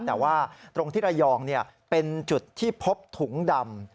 แต่ว่าตรงที่ระยองเป็นจุดที่พบถุงดำ